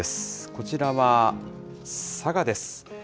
こちらは、佐賀です。